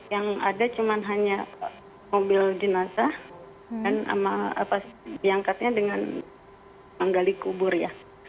yang ada cuma hanya mobil jenazah dan diangkatnya dengan menggali kubur ya